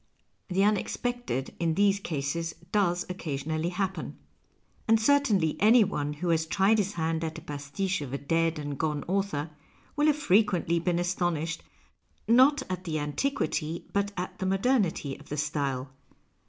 The unex pected in these cases docs occasionally happen. And certainly any one who has tried his hand at a jmsiiche of a dead and gone author will have frequently been astonished, not at the antiquity but at tiie modernity of the style.